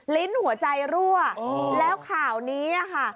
ลิ้นหัวใจรั่วแล้วข่าวนี้ค่ะ